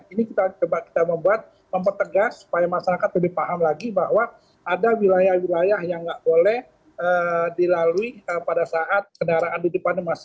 jadi kita coba kita membuat mempertegas supaya masyarakat lebih paham lagi bahwa ada wilayah wilayah yang tidak boleh dilalui pada saat kendaraan di depannya masih macet